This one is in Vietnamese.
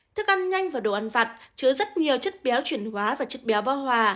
thức ăn nhanh và đồ ăn vặt chứa rất nhiều chất béo chuyển hóa và chất béo hòa